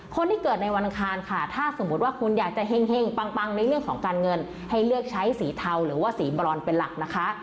คนที่เกิดในวันอังคารค่ะถ้าสมมุติว่าคุณอยากจะเฮ่งปังในเรื่องของการเงินให้เลือกใช้สีเทาหรือว่าสีบรอนเป็นหลักนะคะ